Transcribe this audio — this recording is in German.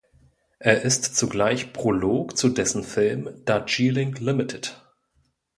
Er ist zugleich Prolog zu dessen Film Darjeeling Limited.